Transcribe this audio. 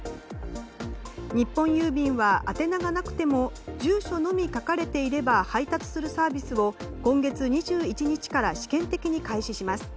日本郵便は宛名がなくても住所のみ書かれていれば配達するサービスを今月２１日から試験的に開始します。